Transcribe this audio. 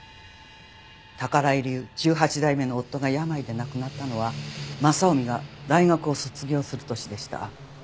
宝居流１８代目の夫が病で亡くなったのは雅臣が大学を卒業する年でした。